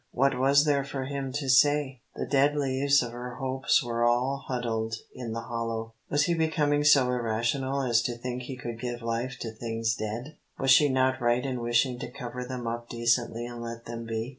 What was there for him to say? The dead leaves of her hopes were all huddled in the hollow. Was he becoming so irrational as to think he could give life to things dead? Was she not right in wishing to cover them up decently and let them be?